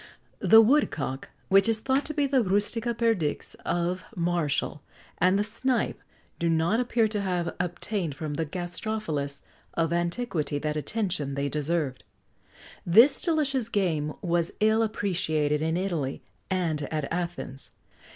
The Woodcock, which is thought to be the rustica perdix of Martial,[XX 88] and the Snipe do not appear to have obtained from the gastrophilists of antiquity that attention they deserved. This delicious game was ill appreciated in Italy and at Athens.